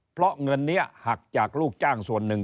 เพราะเงินนี้หักจากลูกจ้างส่วนหนึ่ง